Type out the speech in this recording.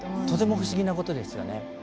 とても不思議なことですよね。